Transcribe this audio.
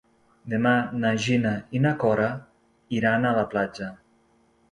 Demà na Gina i na Cora iran a la platja.